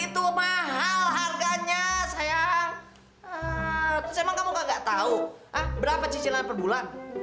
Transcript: tanya sayang emang kamu gak tau berapa cicilan per bulan